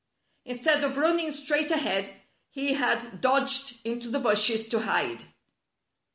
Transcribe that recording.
Instead of running straight ahead, he had dodged into the bushes to hide.